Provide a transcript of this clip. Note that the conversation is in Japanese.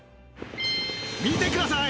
見てください！